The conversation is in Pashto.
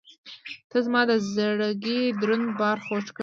• ته زما د زړګي دروند بار خوږ کړې.